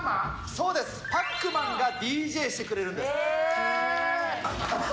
そうです、パックマンがＤＪしてくれるんです。